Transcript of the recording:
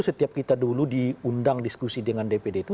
setiap kita dulu diundang diskusi dengan dpd itu